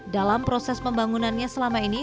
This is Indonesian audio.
dalam proses pembangunannya selama ini